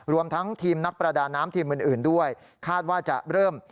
รวมทั้งทีมนักประดาน้ำทีมอื่นด้วยคาดว่าจะเริ่ม